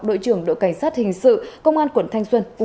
đội trưởng đội cảnh sát hình sự công an quận thanh xuân